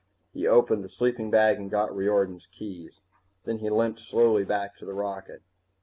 He opened the sleeping bag and got Riordan's keys. Then he limped slowly back to the rocket.